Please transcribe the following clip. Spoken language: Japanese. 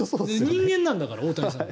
人間なんだから、大谷さんは。